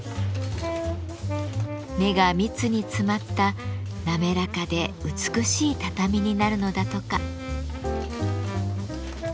目が密に詰まった滑らかで美しい畳になるのだとか。